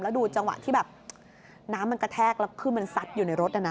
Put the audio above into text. ดูจังหวะที่แบบน้ำมันกระแทกแล้วขึ้นมันซัดอยู่ในรถนะ